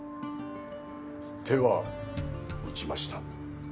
手は打ちました。